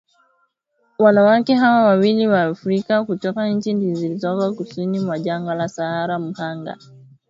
Wanawake hawa wawili Waafrika kutoka nchi zilizoko kusini mwa jangwa la Sahara mhanga